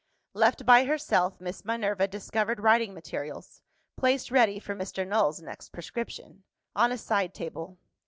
Left by herself, Miss Minerva discovered writing materials (placed ready for Mr. Null's next prescription) on a side table.